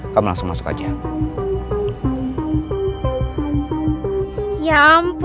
kamu langsung masuk aja